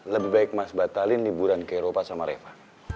lebih baik mas batalin liburan ke eropa sama reva